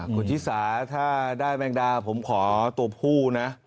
คุณชิสาถ้าได้แมงดาผมขอตัวผู้นะ